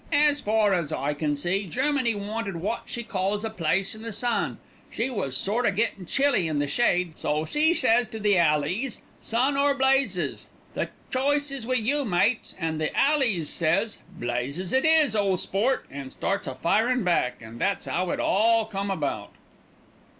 As far as I can see, Germany wanted wot she calls a place in the sun; she was sort o' gettin' chilly in the shade, so she says to the Alleys, 'Sun or blazes, the choice is wi' you, mates,' an' the Alleys says, 'Blazes it is, ole sport,' an' starts a firin' back, an' that's 'ow it all come about."